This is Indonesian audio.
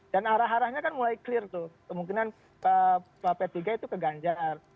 dan arah arahnya kan mulai clear tuh kemungkinan pak p tiga itu ke ganjar